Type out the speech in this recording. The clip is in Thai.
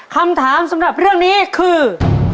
คำถามสำหรับเรื่องนี้คือ